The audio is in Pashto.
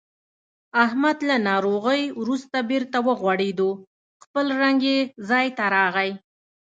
احمد له ناروغۍ ورسته بېرته و غوړېدو. خپل رنګ یې ځای ته راغی.